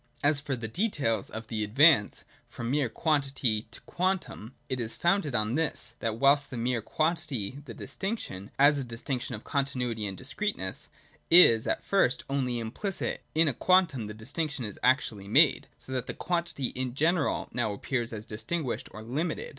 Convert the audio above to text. As for the details of the advance from mere quantity to quantum, it is founded on this : that whilst in mere quantity the distinction, as a distinction of continuity and discreteness, is at first only implicit, in a quantum the distinction is actually made, so that quantity in general novi; appears as distinguished or limited.